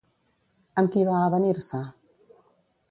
Amb qui va avenir-se?